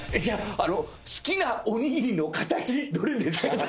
じゃあ好きなおにぎりの形どれですか？